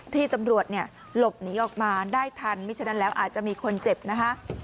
ที่ตำรวจเนี่ยหลบหนีออกมาได้ทันไม่ฉะนั้นแล้วอาจจะมีคนเจ็บนะคะ